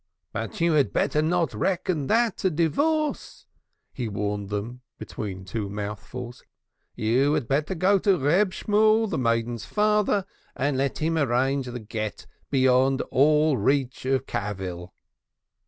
"But you had better not reckon that a divorce," he warned them between two mouthfuls. "You had better go to Reb Shemuel, the maiden's father, and let him arrange the Gett beyond reach of cavil."